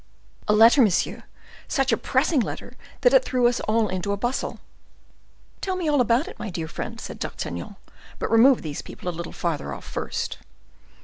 "A letter, monsieur, such a pressing letter that it threw us all into a bustle." "Tell me all about it, my dear friend," said D'Artagnan; "but remove these people a little further off first."